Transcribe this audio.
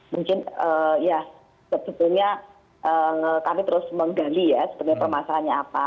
mungkin ya sebetulnya kami terus menggali ya sebenarnya permasalahannya apa